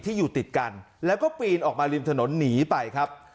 อยู่ติดกันแล้วก็ปีนออกมาริมถนนหนีไปครับ